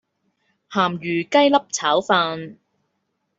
鹹魚雞粒炒飯